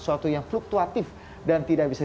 suatu yang fluktuatif dan tidak bisa